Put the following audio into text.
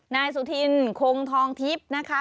นายสุธินคงทองทิพย์นะคะ